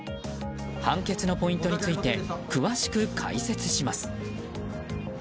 判決のポイントについて詳しく解説します。